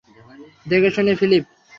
দেখেশুনে, ফিলিপ।